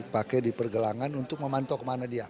pakai di pergelangan untuk memantau kemana dia